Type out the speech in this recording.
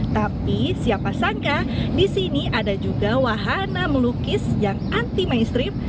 tapi siapa sangka di sini ada juga wahana melukis yang anti mainstream